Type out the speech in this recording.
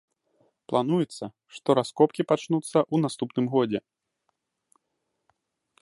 Плануецца, што раскопкі пачнуцца ў наступным годзе.